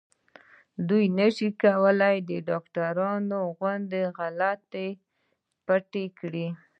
دوی نشي کولای د ډاکټرانو غوندې غلطي پټه کړي.